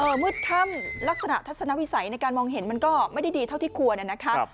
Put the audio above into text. มืดค่ำลักษณะทัศนวิสัยในการมองเห็นมันก็ไม่ได้ดีเท่าที่ควรนะครับ